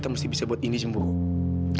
oke itu indi kak